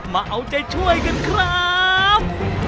มาเอาใจช่วยกันครับ